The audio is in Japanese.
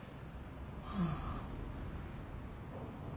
ああ。